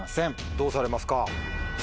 どうされますか？